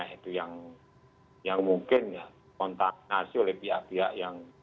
yaitu yang mungkin kontaminasi oleh pihak pihak yang